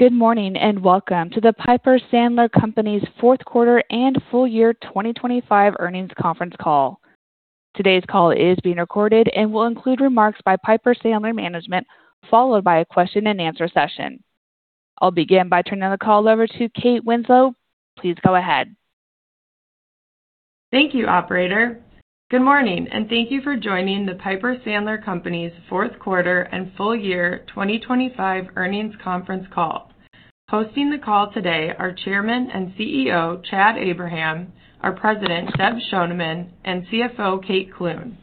Good morning and welcome to the Piper Sandler Companies' fourth quarter and full year 2025 earnings conference call. Today's call is being recorded and will include remarks by Piper Sandler management, followed by a question-and-answer session. I'll begin by turning the call over to Kate Winslow. Please go ahead. Thank you, operator. Good morning, and thank you for joining the Piper Sandler Companies' fourth quarter and full year 2025 earnings conference call. Hosting the call today are Chairman and CEO Chad Abraham, our President Deb Schoneman, and CFO Kate Clune.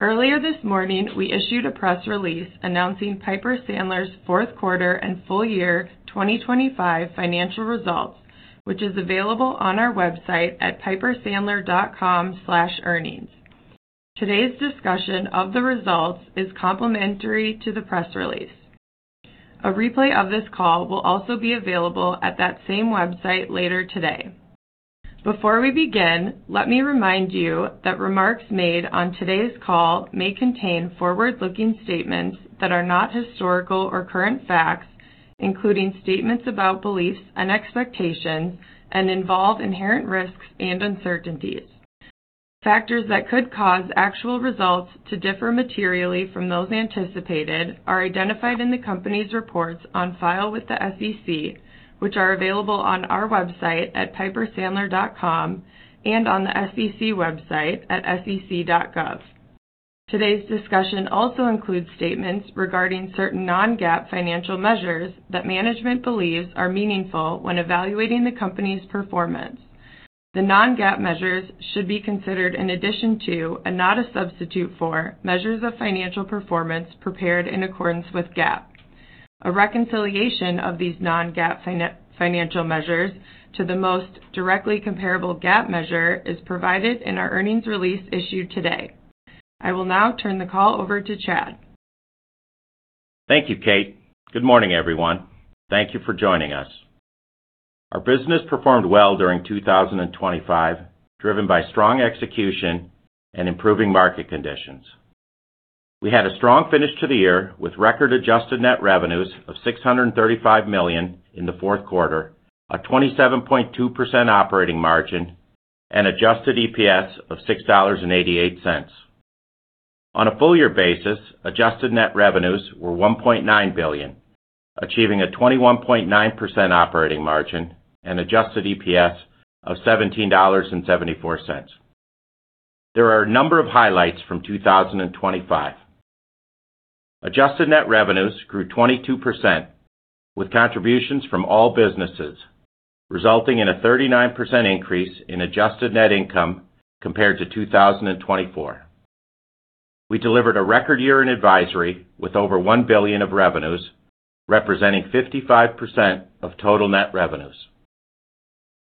Earlier this morning we issued a press release announcing Piper Sandler's fourth quarter and full year 2025 financial results, which is available on our website at pipersandler.com/earnings. Today's discussion of the results is complementary to the press release. A replay of this call will also be available at that same website later today. Before we begin, let me remind you that remarks made on today's call may contain forward-looking statements that are not historical or current facts, including statements about beliefs and expectations, and involve inherent risks and uncertainties. Factors that could cause actual results to differ materially from those anticipated are identified in the company's reports on file with the SEC, which are available on our website at pipersandler.com and on the SEC website at sec.gov. Today's discussion also includes statements regarding certain Non-GAAP financial measures that management believes are meaningful when evaluating the company's performance. The Non-GAAP measures should be considered in addition to, and not a substitute for, measures of financial performance prepared in accordance with GAAP. A reconciliation of these Non-GAAP financial measures to the most directly comparable GAAP measure is provided in our earnings release issued today. I will now turn the call over to Chad. Thank you, Kate. Good morning, everyone. Thank you for joining us. Our business performed well during 2025, driven by strong execution and improving market conditions. We had a strong finish to the year with record adjusted net revenues of $635 million in the fourth quarter, a 27.2% operating margin, and adjusted EPS of $6.88. On a full year basis, adjusted net revenues were $1.9 billion, achieving a 21.9% operating margin and adjusted EPS of $17.74. There are a number of highlights from 2025. Adjusted net revenues grew 22% with contributions from all businesses, resulting in a 39% increase in adjusted net income compared to 2024. We delivered a record year in advisory with over $1 billion of revenues, representing 55% of total net revenues.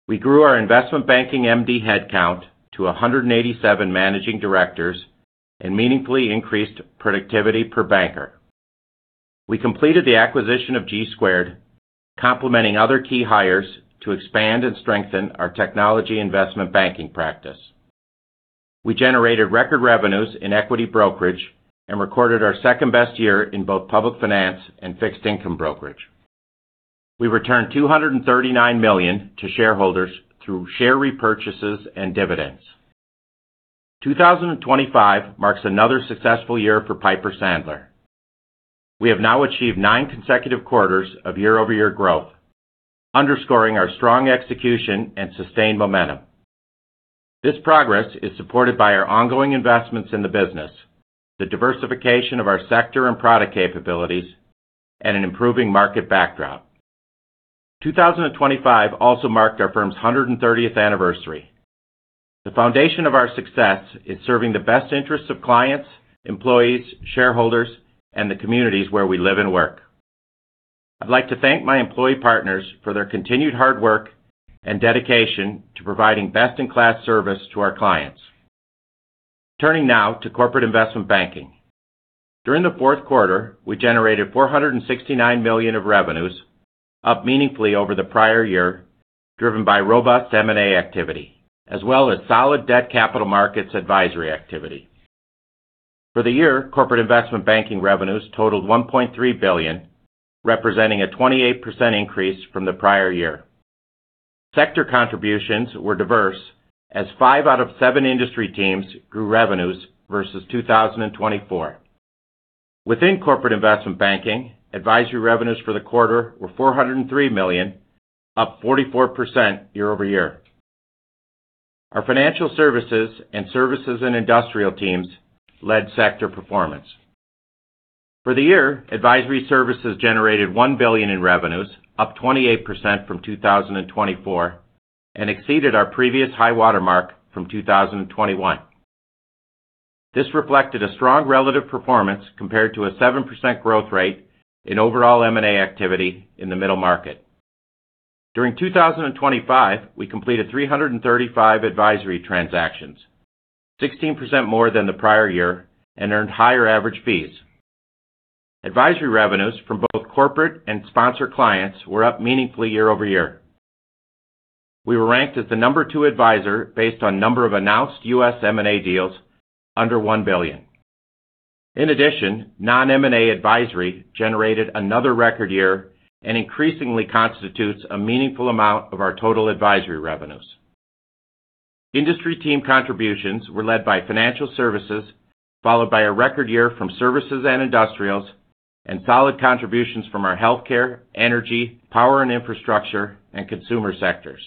We grew our investment banking MD headcount to 187 managing directors and meaningfully increased productivity per banker. We completed the acquisition of G2, complementing other key hires to expand and strengthen our technology investment banking practice. We generated record revenues in equity brokerage and recorded our second best year in both public finance and fixed income brokerage. We returned $239 million to shareholders through share repurchases and dividends. 2025 marks another successful year for Piper Sandler. We have now achieved nine consecutive quarters of year-over-year growth, underscoring our strong execution and sustained momentum. This progress is supported by our ongoing investments in the business, the diversification of our sector and product capabilities, and an improving market backdrop. 2025 also marked our firm's 130th anniversary. The foundation of our success is serving the best interests of clients, employees, shareholders, and the communities where we live and work. I'd like to thank my employee partners for their continued hard work and dedication to providing best-in-class service to our clients. Turning now to corporate investment banking. During the fourth quarter, we generated $469 million of revenues, up meaningfully over the prior year, driven by robust M&A activity as well as solid debt capital markets advisory activity. For the year, corporate investment banking revenues totaled $1.3 billion, representing a 28% increase from the prior year. Sector contributions were diverse, as five out of seven industry teams grew revenues versus 2024. Within corporate investment banking, advisory revenues for the quarter were $403 million, up 44% year-over-year. Our financial services and services and industrial teams led sector performance. For the year, advisory services generated $1 billion in revenues, up 28% from 2024, and exceeded our previous high watermark from 2021. This reflected a strong relative performance compared to a 7% growth rate in overall M&A activity in the middle market. During 2025, we completed 335 advisory transactions, 16% more than the prior year, and earned higher average fees. Advisory revenues from both corporate and sponsor clients were up meaningfully year-over-year. We were ranked as the number two advisor based on number of announced U.S. M&A deals under $1 billion. In addition, non-M&A advisory generated another record year and increasingly constitutes a meaningful amount of our total advisory revenues. Industry team contributions were led by financial services, followed by a record year from services and industrials, and solid contributions from our healthcare, energy, power and infrastructure, and consumer sectors.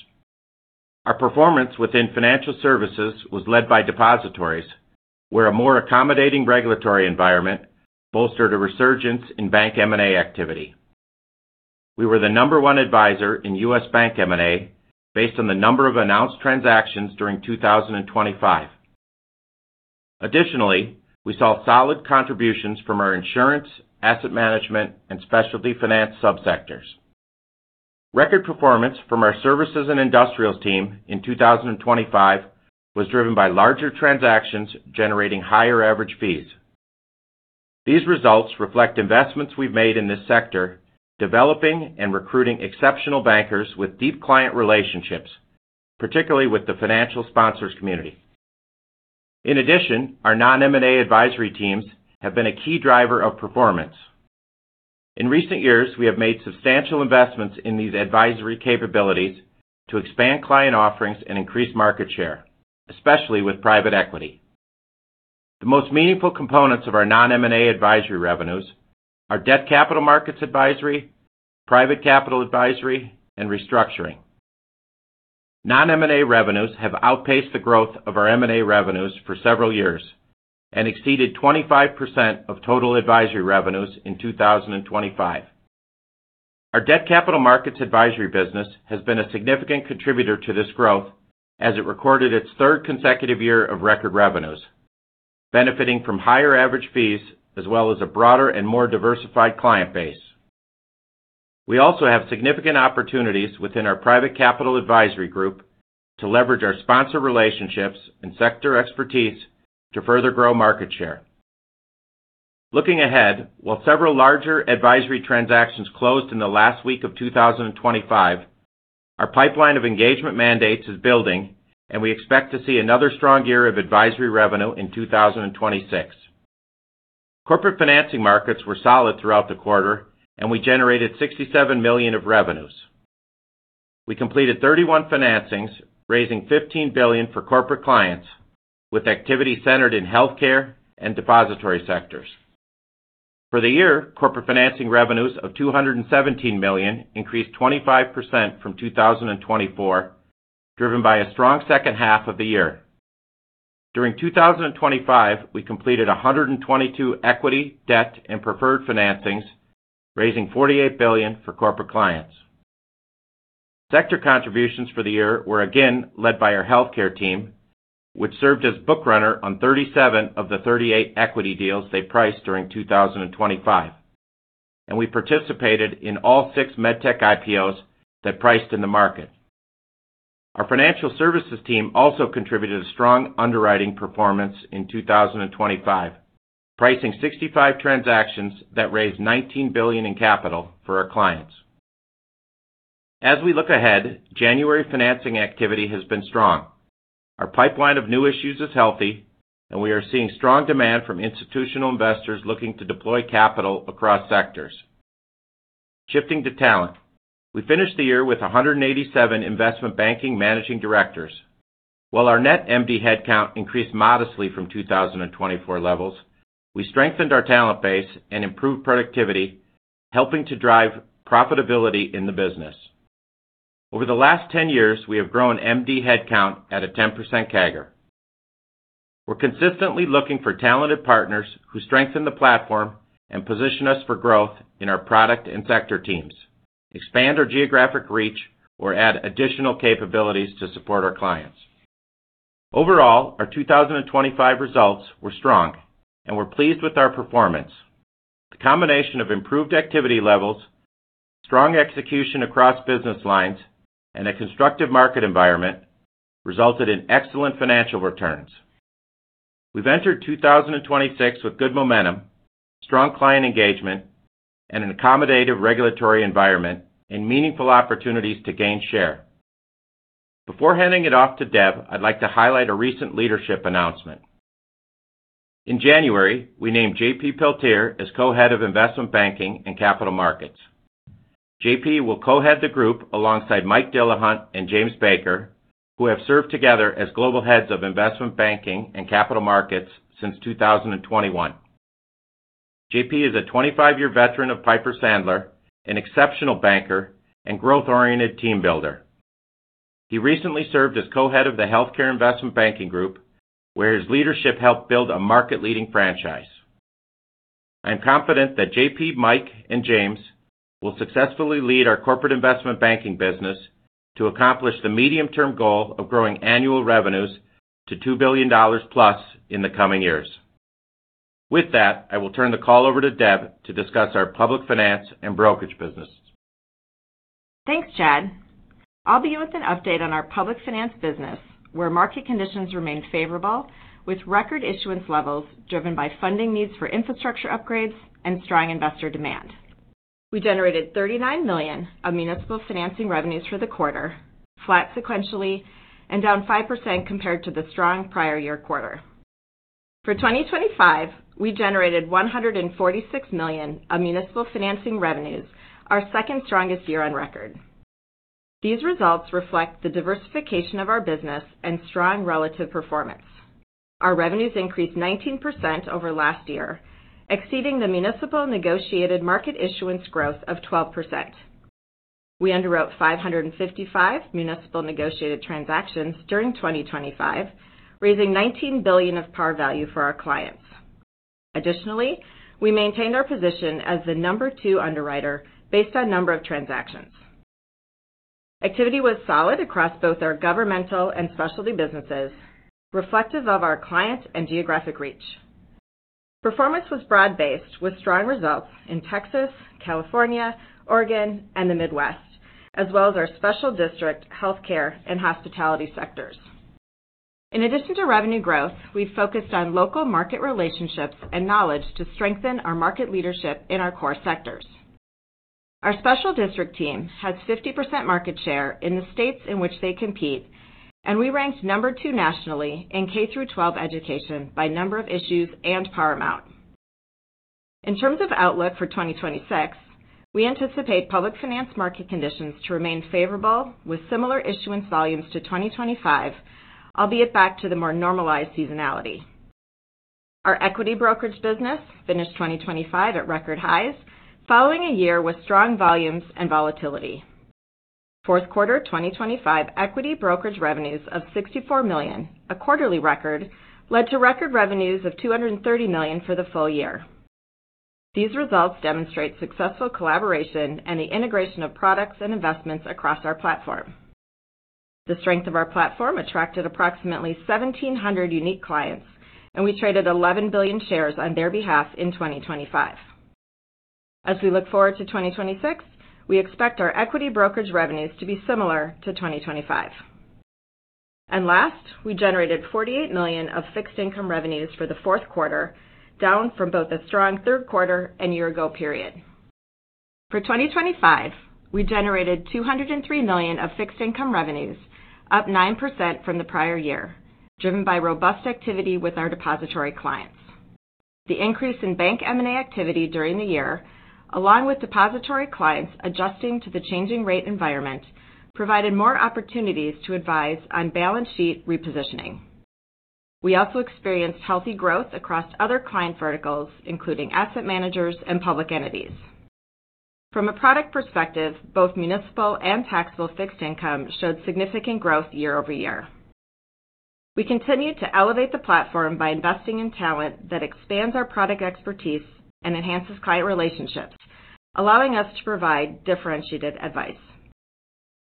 Our performance within financial services was led by depositories, where a more accommodating regulatory environment bolstered a resurgence in bank M&A activity. We were the number one advisor in U.S. bank M&A based on the number of announced transactions during 2025. Additionally, we saw solid contributions from our insurance, asset management, and specialty finance subsectors. Record performance from our services and industrials team in 2025 was driven by larger transactions generating higher average fees. These results reflect investments we've made in this sector, developing and recruiting exceptional bankers with deep client relationships, particularly with the financial sponsors community. In addition, our non-M&A advisory teams have been a key driver of performance. In recent years, we have made substantial investments in these advisory capabilities to expand client offerings and increase market share, especially with private equity. The most meaningful components of our non-M&A advisory revenues are debt capital markets advisory, private capital advisory, and restructuring. Non-M&A revenues have outpaced the growth of our M&A revenues for several years and exceeded 25% of total advisory revenues in 2025. Our debt capital markets advisory business has been a significant contributor to this growth as it recorded its third consecutive year of record revenues, benefiting from higher average fees as well as a broader and more diversified client base. We also have significant opportunities within our private capital advisory group to leverage our sponsor relationships and sector expertise to further grow market share. Looking ahead, while several larger advisory transactions closed in the last week of 2025, our pipeline of engagement mandates is building, and we expect to see another strong year of advisory revenue in 2026. Corporate financing markets were solid throughout the quarter, and we generated $67 million of revenues. We completed 31 financings, raising $15 billion for corporate clients with activity centered in healthcare and depository sectors. For the year, corporate financing revenues of $217 million increased 25% from 2024, driven by a strong second half of the year. During 2025, we completed 122 equity, debt, and preferred financings, raising $48 billion for corporate clients. Sector contributions for the year were again led by our healthcare team, which served as bookrunner on 37 of the 38 equity deals they priced during 2025, and we participated in all six MedTech IPOs that priced in the market. Our financial services team also contributed a strong underwriting performance in 2025, pricing 65 transactions that raised $19 billion in capital for our clients. As we look ahead, January financing activity has been strong. Our pipeline of new issues is healthy, and we are seeing strong demand from institutional investors looking to deploy capital across sectors. Shifting to talent, we finished the year with 187 investment banking Managing Directors. While our net MD headcount increased modestly from 2024 levels, we strengthened our talent base and improved productivity, helping to drive profitability in the business. Over the last 10 years, we have grown MD headcount at a 10% CAGR. We're consistently looking for talented partners who strengthen the platform and position us for growth in our product and sector teams, expand our geographic reach, or add additional capabilities to support our clients. Overall, our 2025 results were strong, and we're pleased with our performance. The combination of improved activity levels, strong execution across business lines, and a constructive market environment resulted in excellent financial returns. We've entered 2026 with good momentum, strong client engagement, an accommodative regulatory environment, and meaningful opportunities to gain share. Before handing it off to Deb, I'd like to highlight a recent leadership announcement. In January, we named JP Peltier as co-head of investment banking and capital markets. JP will co-head the group alongside Mike Dillahunt and James Baker, who have served together as global heads of investment banking and capital markets since 2021. JP is a 25-year veteran of Piper Sandler, an exceptional banker and growth-oriented team builder. He recently served as co-head of the healthcare investment banking group, where his leadership helped build a market-leading franchise. I am confident that JP, Mike, and James will successfully lead our corporate investment banking business to accomplish the medium-term goal of growing annual revenues to $2 billion+ in the coming years. With that, I will turn the call over to Deb to discuss our public finance and brokerage business. Thanks, Chad. I'll be with an update on our public finance business, where market conditions remain favorable with record issuance levels driven by funding needs for infrastructure upgrades and strong investor demand. We generated $39 million of municipal financing revenues for the quarter, flat sequentially, and down 5% compared to the strong prior year quarter. For 2025, we generated $146 million of municipal financing revenues, our second strongest year on record. These results reflect the diversification of our business and strong relative performance. Our revenues increased 19% over last year, exceeding the municipal negotiated market issuance growth of 12%. We underwrote 555 municipal negotiated transactions during 2025, raising $19 billion of par value for our clients. Additionally, we maintained our position as the number 2 underwriter based on number of transactions. Activity was solid across both our governmental and specialty businesses, reflective of our client and geographic reach. Performance was broad-based, with strong results in Texas, California, Oregon, and the Midwest, as well as our special district, healthcare, and hospitality sectors. In addition to revenue growth, we've focused on local market relationships and knowledge to strengthen our market leadership in our core sectors. Our special district team has 50% market share in the states in which they compete, and we ranked number 2 nationally in K-12 education by number of issues and par amount. In terms of outlook for 2026, we anticipate public finance market conditions to remain favorable with similar issuance volumes to 2025, albeit back to the more normalized seasonality. Our equity brokerage business finished 2025 at record highs, following a year with strong volumes and volatility. Fourth quarter 2025 equity brokerage revenues of $64 million, a quarterly record, led to record revenues of $230 million for the full year. These results demonstrate successful collaboration and the integration of products and investments across our platform. The strength of our platform attracted approximately 1,700 unique clients, and we traded 11 billion shares on their behalf in 2025. As we look forward to 2026, we expect our equity brokerage revenues to be similar to 2025. Last, we generated $48 million of fixed income revenues for the fourth quarter, down from both a strong third quarter and year-ago period. For 2025, we generated $203 million of fixed income revenues, up 9% from the prior year, driven by robust activity with our depository clients. The increase in bank M&A activity during the year, along with depository clients adjusting to the changing rate environment, provided more opportunities to advise on balance sheet repositioning. We also experienced healthy growth across other client verticals, including asset managers and public entities. From a product perspective, both municipal and taxable fixed income showed significant growth year-over-year. We continue to elevate the platform by investing in talent that expands our product expertise and enhances client relationships, allowing us to provide differentiated advice.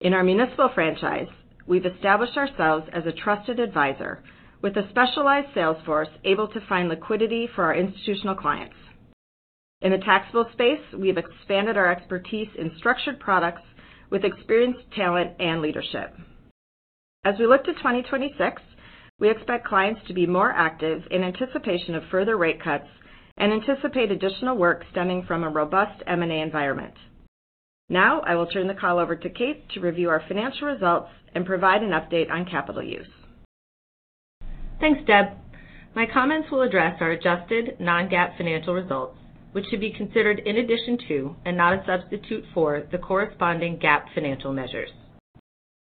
In our municipal franchise, we've established ourselves as a trusted advisor with a specialized sales force able to find liquidity for our institutional clients. In the taxable space, we've expanded our expertise in structured products with experienced talent and leadership. As we look to 2026, we expect clients to be more active in anticipation of further rate cuts and anticipate additional work stemming from a robust M&A environment. Now, I will turn the call over to Kate to review our financial results and provide an update on capital use. Thanks, Deb. My comments will address our adjusted Non-GAAP financial results, which should be considered in addition to and not a substitute for the corresponding GAAP financial measures.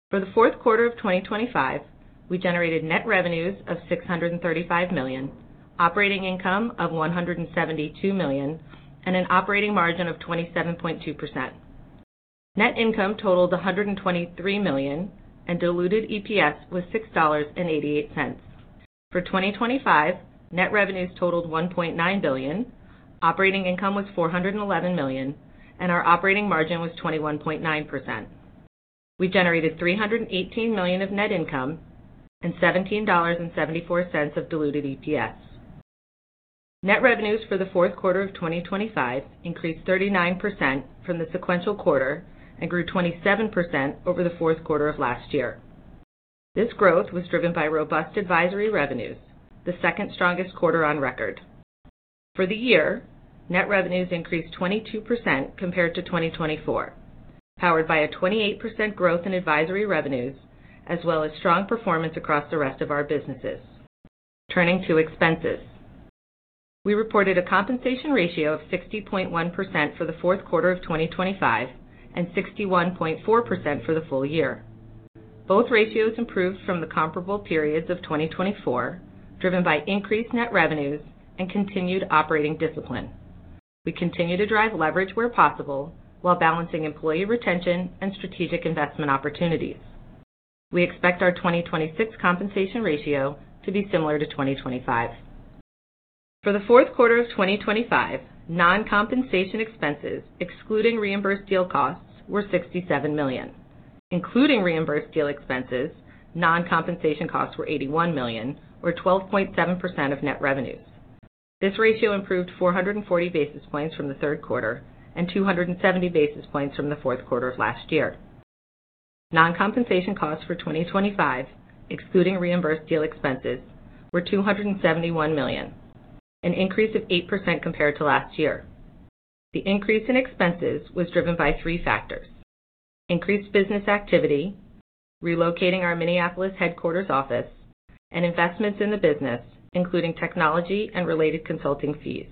For the fourth quarter of 2025, we generated net revenues of $635 million, operating income of $172 million, and an operating margin of 27.2%. Net income totaled $123 million and diluted EPS was $6.88. For 2025, net revenues totaled $1.9 billion, operating income was $411 million, and our operating margin was 21.9%. We generated $318 million of net income and $17.74 of diluted EPS. Net revenues for the fourth quarter of 2025 increased 39% from the sequential quarter and grew 27% over the fourth quarter of last year. This growth was driven by robust advisory revenues, the second strongest quarter on record. For the year, net revenues increased 22% compared to 2024, powered by a 28% growth in advisory revenues as well as strong performance across the rest of our businesses. Turning to expenses, we reported a compensation ratio of 60.1% for the fourth quarter of 2025 and 61.4% for the full year. Both ratios improved from the comparable periods of 2024, driven by increased net revenues and continued operating discipline. We continue to drive leverage where possible while balancing employee retention and strategic investment opportunities. We expect our 2026 compensation ratio to be similar to 2025. For the fourth quarter of 2025, non-compensation expenses, excluding reimbursed deal costs, were $67 million. Including reimbursed deal expenses, non-compensation costs were $81 million, or 12.7% of net revenues. This ratio improved 440 basis points from the third quarter and 270 basis points from the fourth quarter of last year. Non-compensation costs for 2025, excluding reimbursed deal expenses, were $271 million, an increase of 8% compared to last year. The increase in expenses was driven by three factors: increased business activity, relocating our Minneapolis headquarters office, and investments in the business, including technology and related consulting fees.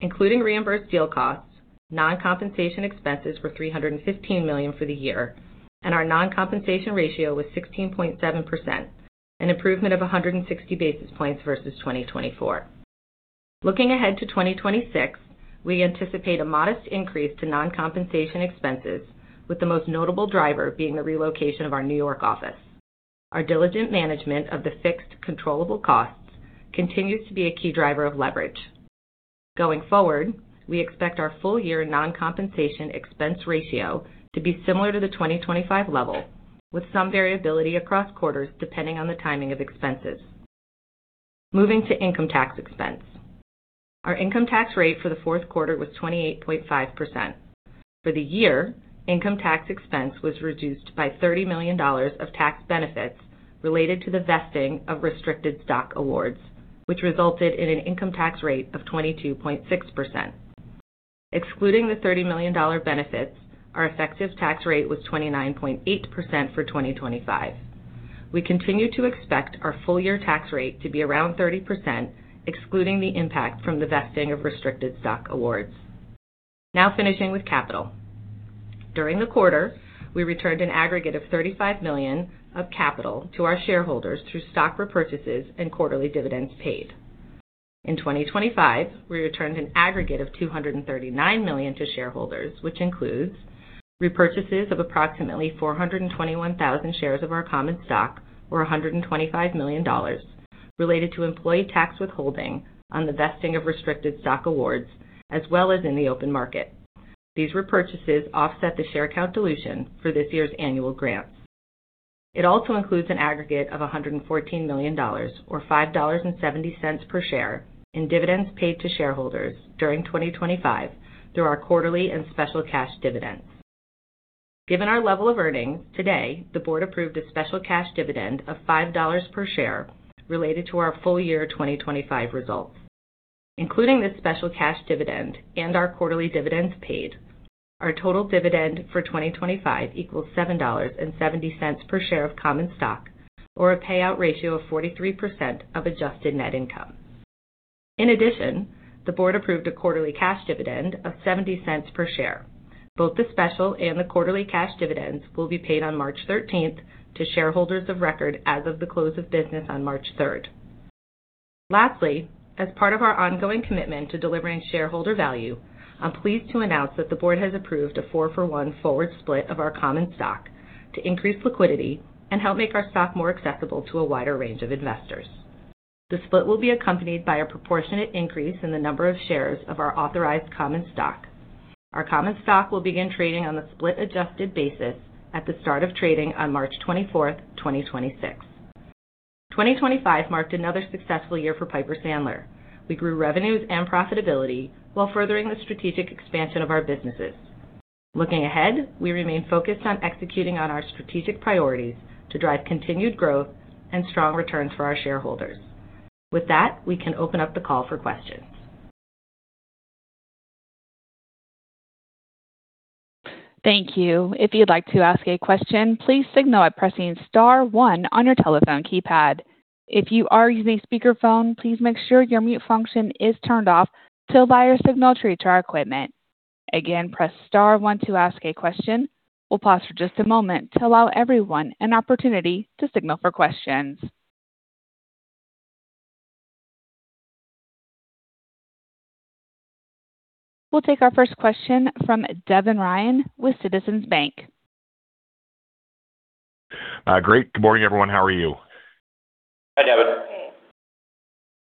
Including reimbursed deal costs, non-compensation expenses were $315 million for the year, and our non-compensation ratio was 16.7%, an improvement of 160 basis points versus 2024. Looking ahead to 2026, we anticipate a modest increase to non-compensation expenses, with the most notable driver being the relocation of our New York office. Our diligent management of the fixed, controllable costs continues to be a key driver of leverage. Going forward, we expect our full-year non-compensation expense ratio to be similar to the 2025 level, with some variability across quarters depending on the timing of expenses. Moving to income tax expense, our income tax rate for the fourth quarter was 28.5%. For the year, income tax expense was reduced by $30 million of tax benefits related to the vesting of restricted stock awards, which resulted in an income tax rate of 22.6%. Excluding the $30 million benefits, our effective tax rate was 29.8% for 2025. We continue to expect our full-year tax rate to be around 30%, excluding the impact from the vesting of restricted stock awards. Now finishing with capital, during the quarter, we returned an aggregate of $35 million of capital to our shareholders through stock repurchases and quarterly dividends paid. In 2025, we returned an aggregate of $239 million to shareholders, which includes repurchases of approximately 421,000 shares of our common stock, or $125 million, related to employee tax withholding on the vesting of restricted stock awards as well as in the open market. These repurchases offset the share count dilution for this year's annual grants. It also includes an aggregate of $114 million, or $5.70 per share, in dividends paid to shareholders during 2025 through our quarterly and special cash dividends. Given our level of earnings today, the board approved a special cash dividend of $5 per share related to our full-year 2025 results. Including this special cash dividend and our quarterly dividends paid, our total dividend for 2025 equals $7.70 per share of common stock, or a payout ratio of 43% of adjusted net income. In addition, the board approved a quarterly cash dividend of $0.70 per share. Both the special and the quarterly cash dividends will be paid on March 13th to shareholders of record as of the close of business on March 3rd. Lastly, as part of our ongoing commitment to delivering shareholder value, I'm pleased to announce that the board has approved a 4-for-1 forward split of our common stock to increase liquidity and help make our stock more accessible to a wider range of investors. The split will be accompanied by a proportionate increase in the number of shares of our authorized common stock. Our common stock will begin trading on the split-adjusted basis at the start of trading on March 24th, 2026. 2025 marked another successful year for Piper Sandler. We grew revenues and profitability while furthering the strategic expansion of our businesses. Looking ahead, we remain focused on executing on our strategic priorities to drive continued growth and strong returns for our shareholders. With that, we can open up the call for questions. Thank you. If you'd like to ask a question, please signal by pressing star one on your telephone keypad. If you are using a speakerphone, please make sure your mute function is turned off to allow your signal to reach our equipment. Again, press star one to ask a question. We'll pause for just a moment to allow everyone an opportunity to signal for questions. We'll take our first question from Devin Ryan with Citizens Bank. Great. Good morning, everyone. How are you? Hi, Devin. Hey.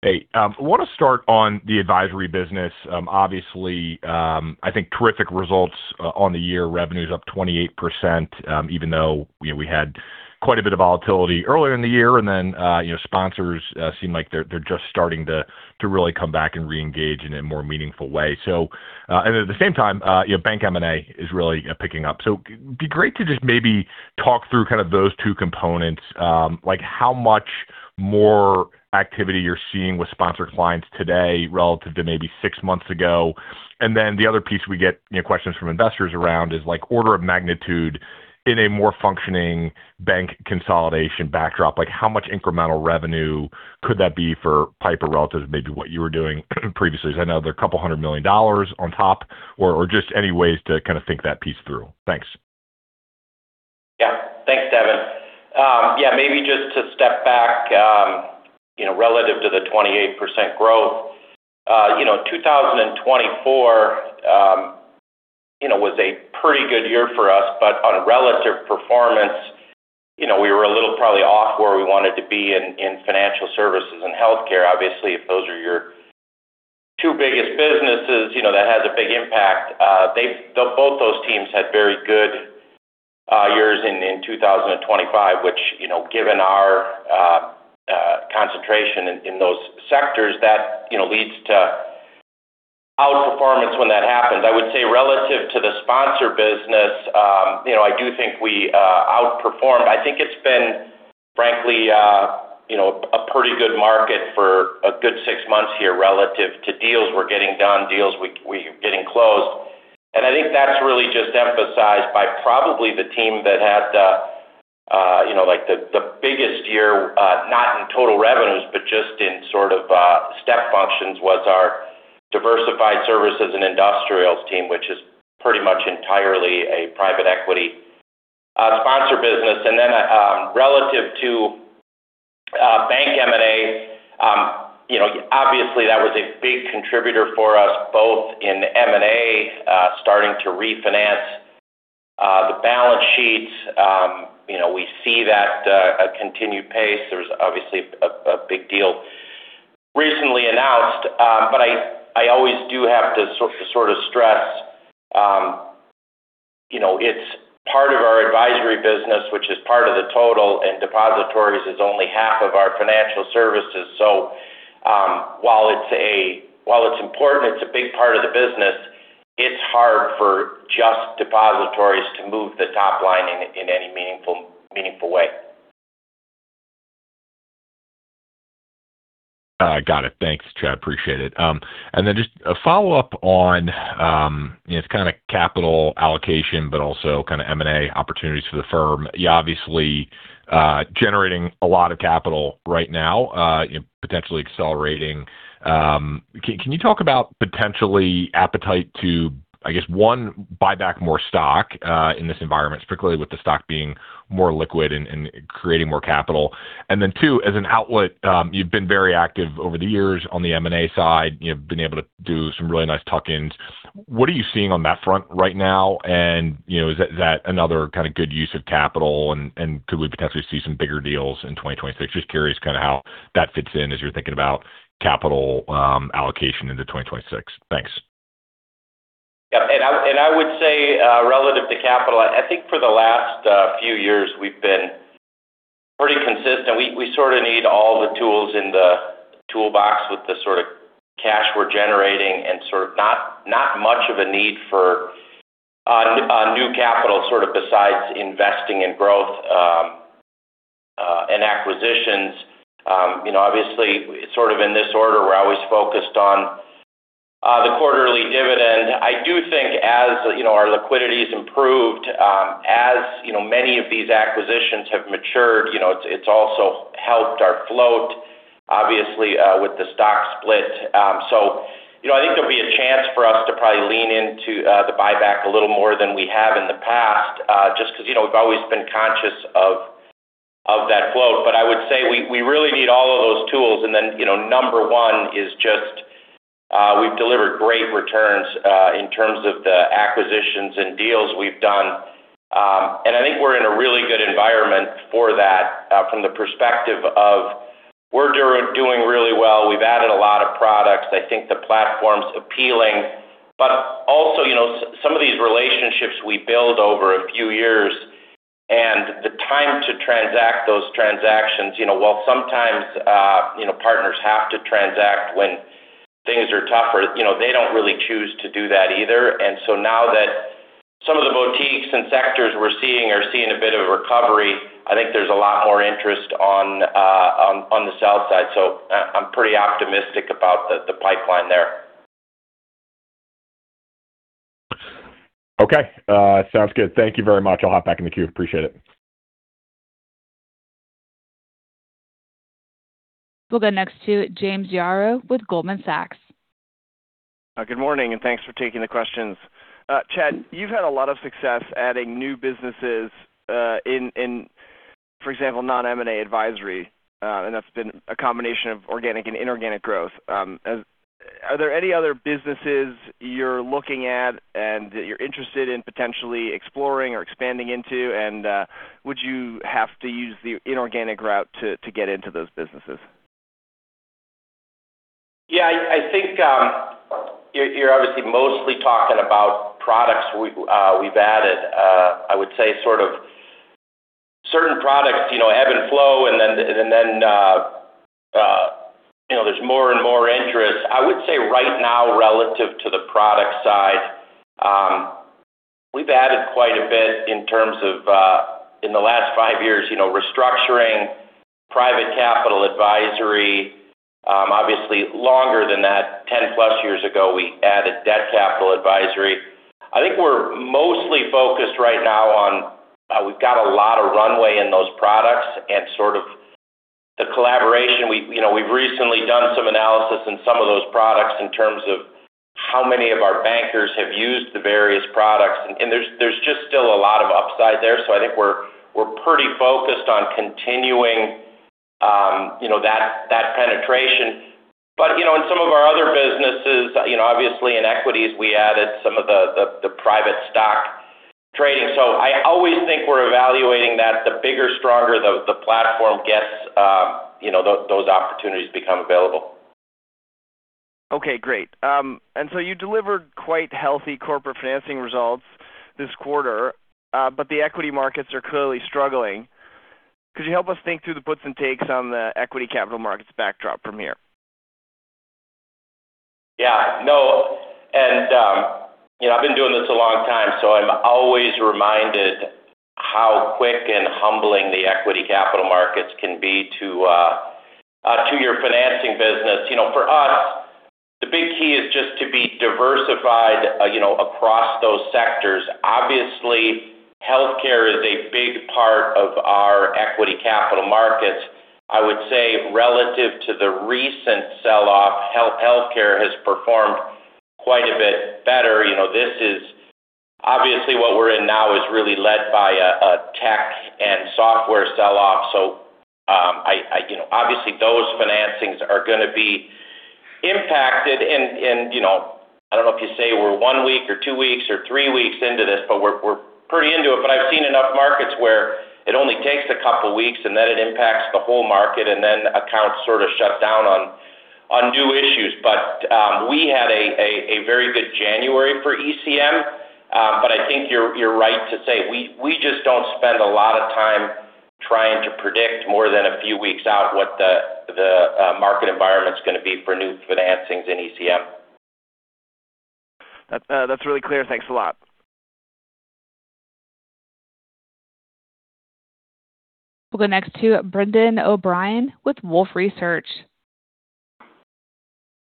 Hey. I want to start on the advisory business. Obviously, I think terrific results on the year. Revenue's up 28%, even though we had quite a bit of volatility earlier in the year. And then sponsors seem like they're just starting to really come back and reengage in a more meaningful way. And at the same time, bank M&A is really picking up. So it'd be great to just maybe talk through kind of those two components, like how much more activity you're seeing with sponsored clients today relative to maybe six months ago. And then the other piece we get questions from investors around is order of magnitude in a more functioning bank consolidation backdrop, like how much incremental revenue could that be for Piper relative to maybe what you were doing previously? Because I know there are $200 million on top, or just anyways to kind of think that piece through. Thanks. Yeah. Thanks, Devin. Yeah. Maybe just to step back relative to the 28% growth, 2024 was a pretty good year for us. But on relative performance, we were a little probably off where we wanted to be in financial services and healthcare. Obviously, if those are your two biggest businesses, that has a big impact. Both those teams had very good years in 2025, which, given our concentration in those sectors, that leads to outperformance when that happens. I would say relative to the sponsor business, I do think we outperformed. I think it's been, frankly, a pretty good market for a good 6 months here relative to deals we're getting done, deals we're getting closed. I think that's really just emphasized by probably the team that had the biggest year, not in total revenues, but just in sort of step functions, was our diversified services and industrials team, which is pretty much entirely a private equity sponsor business. And then relative to bank M&A, obviously, that was a big contributor for us, both in M&A, starting to refinance the balance sheets. We see that at a continued pace. There was obviously a big deal recently announced. But I always do have to sort of stress it's part of our advisory business, which is part of the total. Depositories is only half of our financial services. So while it's important, it's a big part of the business, it's hard for just depositories to move the top line in any meaningful way. Got it. Thanks, Chad. Appreciate it. And then just a follow-up on its kind of capital allocation, but also kind of M&A opportunities for the firm. You're obviously generating a lot of capital right now, potentially accelerating. Can you talk about potentially appetite to, I guess, 1, buy back more stock in this environment, particularly with the stock being more liquid and creating more capital? And then, 2, as an outlet, you've been very active over the years on the M&A side. You've been able to do some really nice tuck-ins. What are you seeing on that front right now? And is that another kind of good use of capital? And could we potentially see some bigger deals in 2026? Just curious kind of how that fits in as you're thinking about capital allocation into 2026. Thanks. Yeah. I would say relative to capital, I think for the last few years, we've been pretty consistent. We sort of need all the tools in the toolbox with the sort of cash we're generating and sort of not much of a need for new capital sort of besides investing in growth and acquisitions. Obviously, sort of in this order, we're always focused on the quarterly dividend. I do think as our liquidity has improved, as many of these acquisitions have matured, it's also helped our float, obviously, with the stock split. So I think there'll be a chance for us to probably lean into the buyback a little more than we have in the past just because we've always been conscious of that float. But I would say we really need all of those tools. And then number one is just we've delivered great returns in terms of the acquisitions and deals we've done. And I think we're in a really good environment for that from the perspective of we're doing really well. We've added a lot of products. I think the platform's appealing. But also, some of these relationships we build over a few years and the time to transact those transactions, while sometimes partners have to transact when things are tougher, they don't really choose to do that either. And so now that some of the boutiques and sectors we're seeing are seeing a bit of a recovery, I think there's a lot more interest on the sell side. So I'm pretty optimistic about the pipeline there. Okay. Sounds good. Thank you very much. I'll hop back in the queue. Appreciate it. We'll go next to James Yaro with Goldman Sachs. Good morning. Thanks for taking the questions. Chad, you've had a lot of success adding new businesses in, for example, non-M&A advisory, and that's been a combination of organic and inorganic growth. Are there any other businesses you're looking at and that you're interested in potentially exploring or expanding into? And would you have to use the inorganic route to get into those businesses? Yeah. I think you're obviously mostly talking about products we've added. I would say, sort of certain products ebb and flow, and then there's more and more interest. I would say right now, relative to the product side, we've added quite a bit in terms of, in the last 5 years, restructuring, private capital advisory. Obviously, longer than that, 10+ years ago, we added debt capital advisory. I think we're mostly focused right now on we've got a lot of runway in those products and sort of the collaboration. We've recently done some analysis in some of those products in terms of how many of our bankers have used the various products. And there's just still a lot of upside there. So I think we're pretty focused on continuing that penetration. But in some of our other businesses, obviously, in equities, we added some of the private stock trading. I always think we're evaluating that the bigger, stronger the platform gets, those opportunities become available. Okay. Great. And so you delivered quite healthy corporate financing results this quarter, but the equity markets are clearly struggling. Could you help us think through the puts and takes on the equity capital markets backdrop from here? Yeah. No. And I've been doing this a long time, so I'm always reminded how quick and humbling the equity capital markets can be to your financing business. For us, the big key is just to be diversified across those sectors. Obviously, healthcare is a big part of our equity capital markets. I would say relative to the recent sell-off, healthcare has performed quite a bit better. This is obviously what we're in now is really led by a tech and software sell-off. So obviously, those financings are going to be impacted. And I don't know if you say we're one week or two weeks or three weeks into this, but we're pretty into it. But I've seen enough markets where it only takes a couple weeks, and then it impacts the whole market, and then accounts sort of shut down on new issues. We had a very good January for ECM. I think you're right to say we just don't spend a lot of time trying to predict more than a few weeks out what the market environment's going to be for new financings in ECM. That's really clear. Thanks a lot. We'll go next to Brendan O'Brien with Wolfe Research.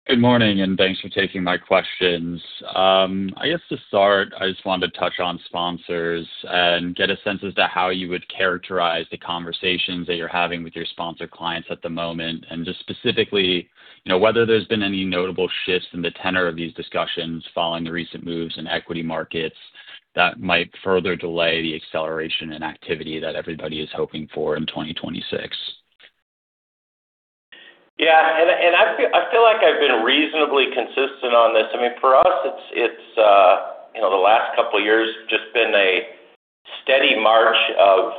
Good morning. Thanks for taking my questions. I guess to start, I just wanted to touch on sponsors and get a sense as to how you would characterize the conversations that you're having with your sponsor clients at the moment, and just specifically whether there's been any notable shifts in the tenor of these discussions following the recent moves in equity markets that might further delay the acceleration and activity that everybody is hoping for in 2026? Yeah. And I feel like I've been reasonably consistent on this. I mean, for us, it's the last couple of years just been a steady march of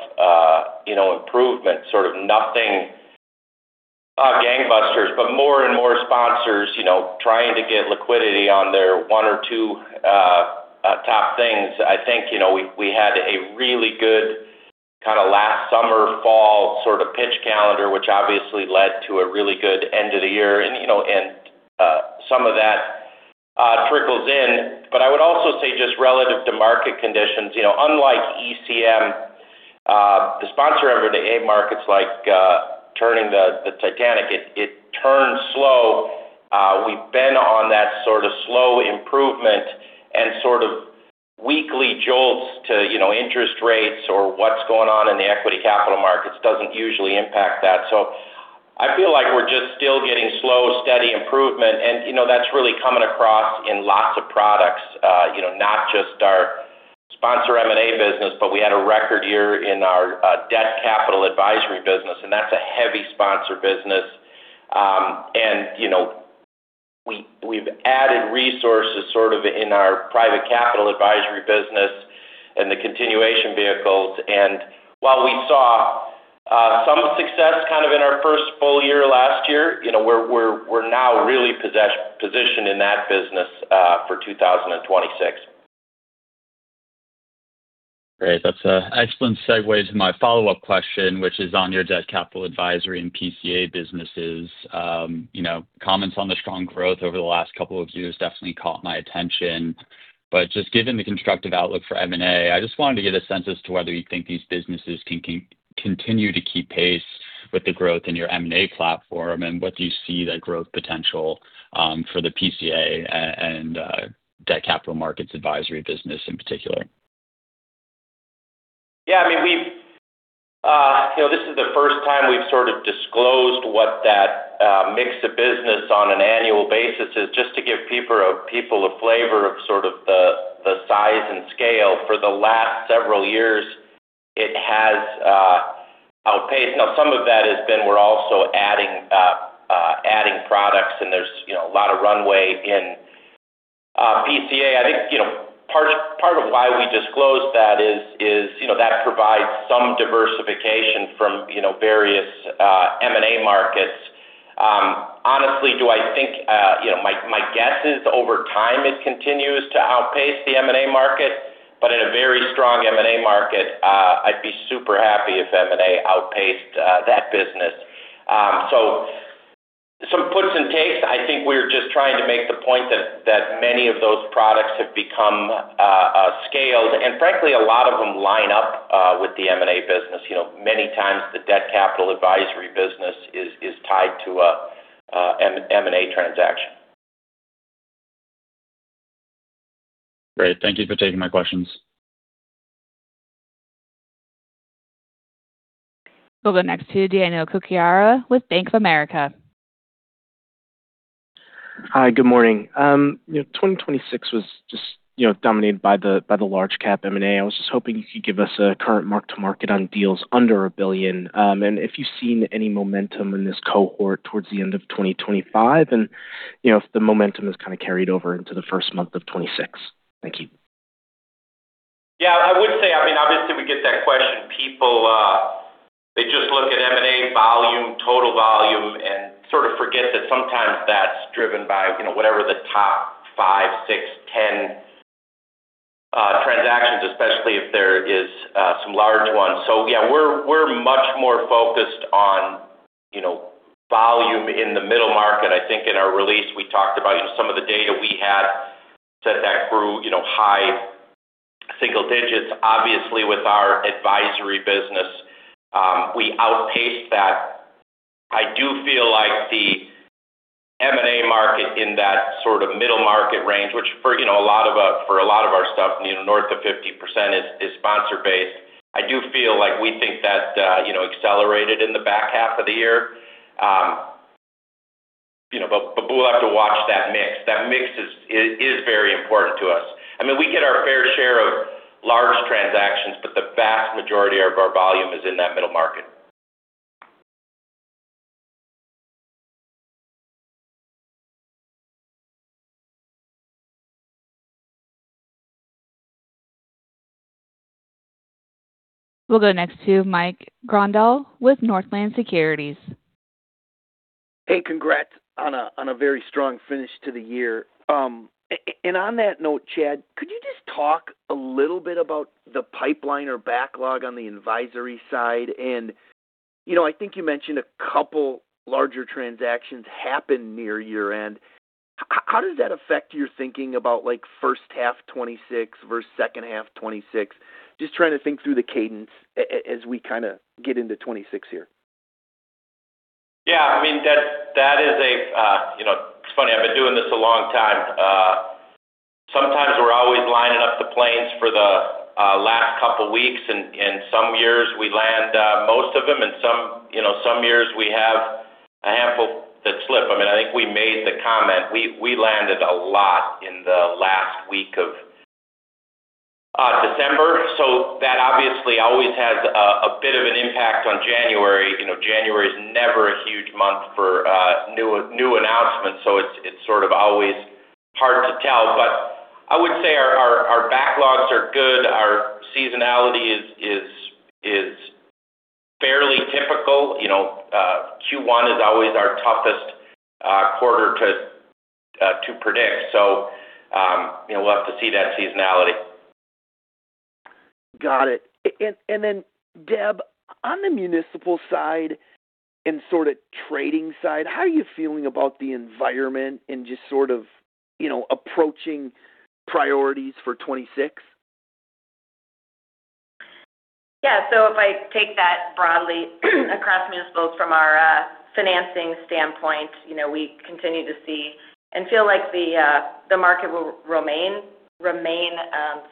improvement, sort of nothing gangbusters, but more and more sponsors trying to get liquidity on their one or two top things. I think we had a really good kind of last summer, fall sort of pitch calendar, which obviously led to a really good end of the year. And some of that trickles in. But I would also say just relative to market conditions, unlike ECM, the sponsor M&A markets like turning the Titanic, it turns slow. We've been on that sort of slow improvement. And sort of weekly jolts to interest rates or what's going on in the equity capital markets doesn't usually impact that. So I feel like we're just still getting slow, steady improvement. And that's really coming across in lots of products, not just our sponsor M&A business, but we had a record year in our debt capital advisory business. And that's a heavy sponsor business. And we've added resources sort of in our private capital advisory business and the continuation vehicles. And while we saw some success kind of in our first full year last year, we're now really positioned in that business for 2026. Great. That's an excellent segue to my follow-up question, which is on your debt capital advisory and PCA businesses. Comments on the strong growth over the last couple of years definitely caught my attention. But just given the constructive outlook for M&A, I just wanted to get a sense as to whether you think these businesses can continue to keep pace with the growth in your M&A platform. What do you see that growth potential for the PCA and debt capital markets advisory business in particular? Yeah. I mean, this is the first time we've sort of disclosed what that mix of business on an annual basis is, just to give people a flavor of sort of the size and scale. For the last several years, it has outpaced. Now, some of that has been we're also adding products, and there's a lot of runway in PCA. I think part of why we disclosed that is that provides some diversification from various M&A markets. Honestly, do I think my guess is over time, it continues to outpace the M&A market. But in a very strong M&A market, I'd be super happy if M&A outpaced that business. So some puts and takes. I think we're just trying to make the point that many of those products have become scaled. And frankly, a lot of them line up with the M&A business. Many times, the debt capital advisory business is tied to an M&A transaction. Great. Thank you for taking my questions. We'll go next to Daniel Cucchiara with Bank of America. Hi. Good morning. 2026 was just dominated by the large-cap M&A. I was just hoping you could give us a current mark-to-market on deals under $1 billion and if you've seen any momentum in this cohort towards the end of 2025 and if the momentum has kind of carried over into the first month of 2026. Thank you. Yeah. I would say, I mean, obviously, we get that question. People, they just look at M&A volume, total volume, and sort of forget that sometimes that's driven by whatever the top 5, 6, 10 transactions, especially if there is some large ones. So yeah, we're much more focused on volume in the middle market. I think in our release, we talked about some of the data we had said that grew high single digits. Obviously, with our advisory business, we outpaced that. I do feel like the M&A market in that sort of middle market range, which for a lot of our stuff, north of 50% is sponsor-based. I do feel like we think that accelerated in the back half of the year. But we'll have to watch that mix. That mix is very important to us. I mean, we get our fair share of large transactions, but the vast majority of our volume is in that middle market. We'll go next to Mike Grondahl with Northland Securities. Hey. Congrats on a very strong finish to the year. On that note, Chad, could you just talk a little bit about the pipeline or backlog on the advisory side? I think you mentioned a couple larger transactions happen near year-end. How does that affect your thinking about first half 2026 versus second half 2026? Just trying to think through the cadence as we kind of get into 2026 here. Yeah. I mean, that is, it's funny. I've been doing this a long time. Sometimes we're always lining up the planes for the last couple weeks. And some years, we land most of them. And some years, we have a handful that slip. I mean, I think we made the comment. We landed a lot in the last week of December. So that obviously always has a bit of an impact on January. January's never a huge month for new announcements, so it's sort of always hard to tell. But I would say our backlogs are good. Our seasonality is fairly typical. Q1 is always our toughest quarter to predict. So we'll have to see that seasonality. Got it. And then, Deb, on the municipal side and sort of trading side, how are you feeling about the environment and just sort of approaching priorities for 2026? Yeah. So if I take that broadly across municipals from our financing standpoint, we continue to see and feel like the market will remain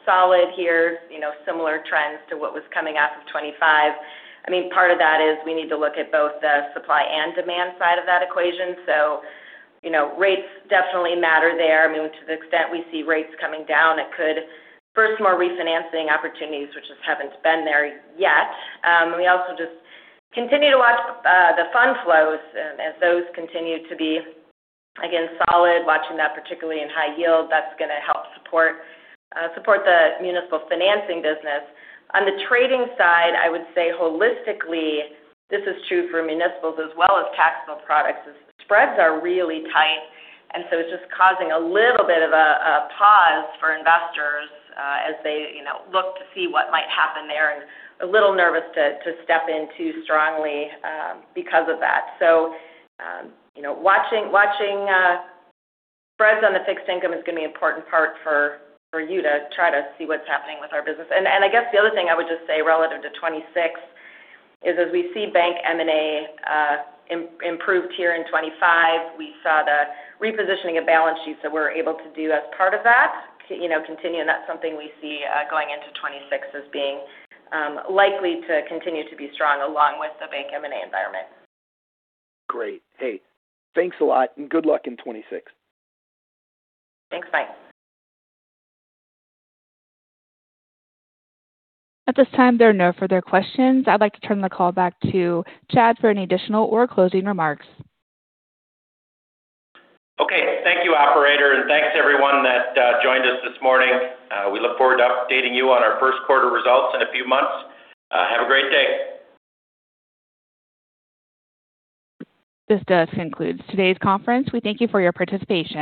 solid here, similar trends to what was coming off of 2025. I mean, part of that is we need to look at both the supply and demand side of that equation. So rates definitely matter there. I mean, to the extent we see rates coming down, it could boost more refinancing opportunities, which just haven't been there yet. And we also just continue to watch the fund flows. And as those continue to be, again, solid, watching that particularly in high yield, that's going to help support the municipal financing business. On the trading side, I would say holistically, this is true for municipals as well as taxable products, is spreads are really tight. It's just causing a little bit of a pause for investors as they look to see what might happen there and a little nervous to step in too strongly because of that. Watching spreads on the fixed income is going to be an important part for you to try to see what's happening with our business. I guess the other thing I would just say relative to 2026 is as we see bank M&A improved here in 2025, we saw the repositioning of balance sheets that we're able to do as part of that continue. That's something we see going into 2026 as being likely to continue to be strong along with the bank M&A environment. Great. Hey. Thanks a lot. Good luck in 2026. Thanks, Mike. At this time, there are no further questions. I'd like to turn the call back to Chad for any additional or closing remarks. Okay. Thank you, operator. Thanks, everyone that joined us this morning. We look forward to updating you on our first quarter results in a few months. Have a great day. This does conclude today's conference. We thank you for your participation.